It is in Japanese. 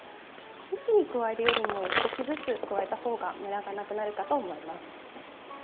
一気に加えるよりも少しずつ加えた方がムラがなくなるかと思います。